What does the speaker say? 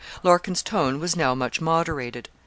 Larkin's tone was now much moderated.